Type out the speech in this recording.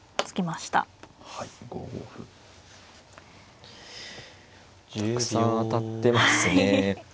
たくさん当たってますね。